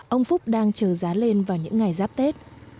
ông phúc đang chờ giá lên vào những ngày giáp tết